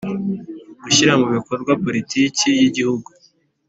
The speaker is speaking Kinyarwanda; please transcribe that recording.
Gushyira mu bikorwa politiki y igihugu